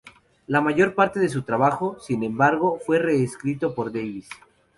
La mayor parte de su trabajo, sin embargo, fue reescrito por Davis.